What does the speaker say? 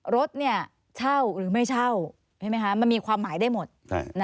รถเนี้ยเช่าหรือไม่เช่าเห็นไหมคะมันมีความหมายได้หมดใช่